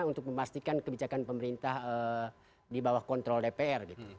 untuk memastikan kebijakan pemerintah di bawah kontrol dpr